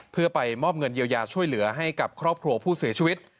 เพื่อไปมอบเงินเยียวยาช่วยเหลือให้กับครอบครัวผู้เสียชีวิต